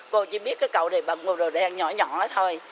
cô chỉ biết cái cầu này bằng mô tô đen nhỏ nhỏ thôi